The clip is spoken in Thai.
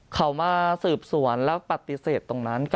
เขามาสืบสวนแล้วปฏิเสธตรงนั้น